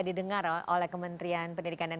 didengar oleh kementerian pendidikan dan